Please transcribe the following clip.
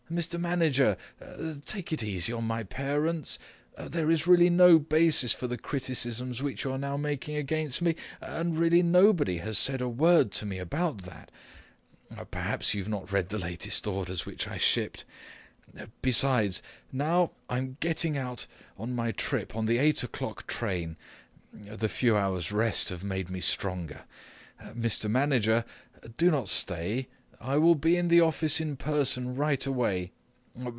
Mr. Manager! Take it easy on my parents! There is really no basis for the criticisms which you're now making against me, and really nobody has said a word to me about that. Perhaps you have not read the latest orders which I shipped. Besides, now I'm setting out on my trip on the eight o'clock train; the few hours' rest have made me stronger. Mr. Manager, do not stay. I will be at the office in person right away.